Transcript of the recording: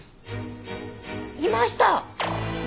いました！